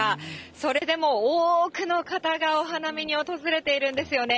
それでも多くの方が、お花見に訪れているんですよね。